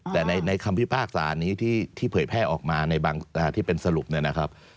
แต่ในคำพิพากษานี้ที่เผยแพร่ออกมาในบางที่เป็นสรุปเนี่ยนะครับ